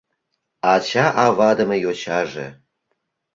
Ача-авадыме йочаже